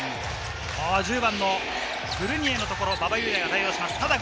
１０番のフルニエのところ、馬場雄大が対応します。